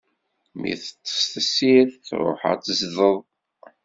Mi teṭṭes tessirt, tṛuḥeḍ ad teẓdeḍ.